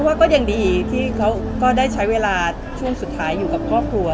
ว่าก็ยังดีที่เขาก็ได้ใช้เวลาช่วงสุดท้ายอยู่กับครอบครัว